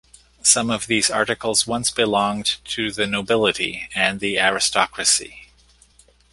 Some of these articles once belonged to the nobility and the aristocracy.